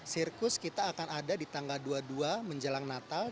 sirkus kita akan ada di tanggal dua puluh dua menjelang natal